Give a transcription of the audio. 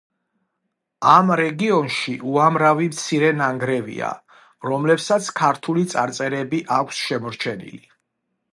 ამ რეგიონში უამრავი მცირე ნანგრევია, რომლებსაც ქართული წარწერები აქვს შემორჩენილი.